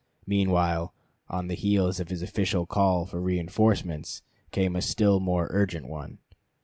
Meanwhile, on the heels of this official call for reënforcements, came a still more urgent one.